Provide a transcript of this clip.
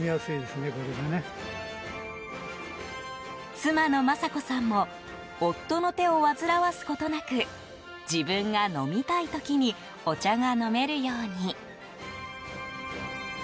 妻の政子さんも夫の手を煩わすことなく自分が飲みたい時にお茶が飲めるように。